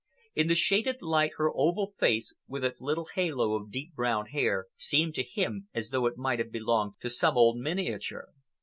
In the shaded light, her oval face with its little halo of deep brown hair seemed to him as though it might have belonged to some old miniature.